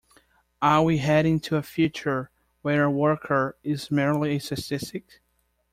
Are we heading to a future where a worker is merely a statistic?